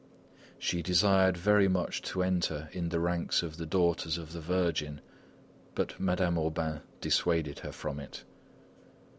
She desired very much to enter in the ranks of the "Daughters of the Virgin." But Madame Aubain dissuaded her from it.